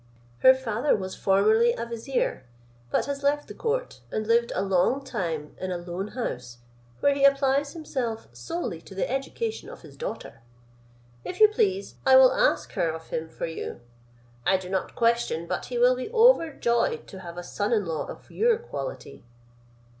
Her father was formerly vizier; but has left the court, and lived a long time in a lone house, where he applies himself solely to the education of his daughter. If you please, I will ask her of him for you: I do not question but he will be overjoyed to have a son in law of your quality."